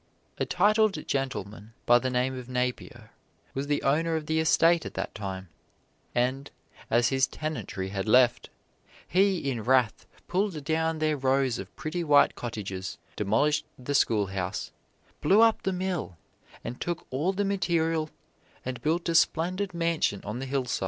A titled gentleman by the name of Napier was the owner of the estate at that time, and as his tenantry had left, he in wrath pulled down their rows of pretty white cottages, demolished the schoolhouse, blew up the mill, and took all the material and built a splendid mansion on the hillside.